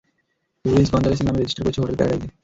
Luis Gonzales এর নামে registrar করেছে, হোটেল প্যারাডাইজে।